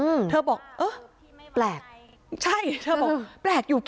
อือเธอบอกเออแปลก